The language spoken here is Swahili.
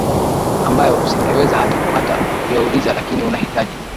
ambayo usingeweza hata kupata kuyauliza lakini unahitaji